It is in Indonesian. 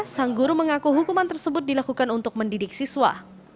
sang guru mengaku hukuman tersebut dilakukan untuk mendidik siswa